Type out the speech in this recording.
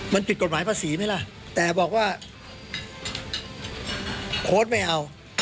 มันผิดกฎหมายภาษีไหมล่ะแต่บอกว่าโค้ดไม่เอา